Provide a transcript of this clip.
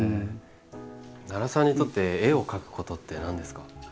奈良さんにとって絵を描くことって何ですか？